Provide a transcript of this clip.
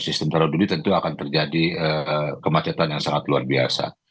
sistem taruh dulu tentu akan terjadi kemacetan yang sangat luar biasa